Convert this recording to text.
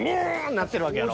なってるわけやろ。